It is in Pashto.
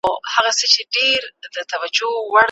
صنعتي سکتور څنګه د کورنیو تولیداتو ملاتړ کوي؟